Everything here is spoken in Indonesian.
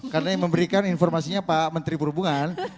karena yang memberikan informasinya pak menteri perhubungan